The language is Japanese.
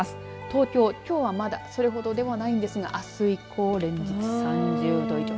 東京、きょうはまだ、それほどではないんですがあす以降、連続３０度以上。